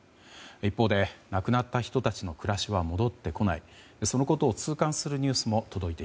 一方で亡くなった人たちの暮らしは戻ってこない。